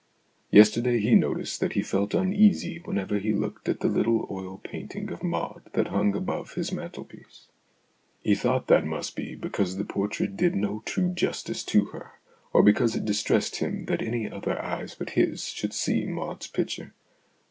Yesterday he noticed that he felt uneasy when ever he looked at the little oil painting of Maud that hung above his mantelpiece. He thought that must be because the portrait did no true justice to her, or because it distressed him that any other eyes but his own should see Maud's picture.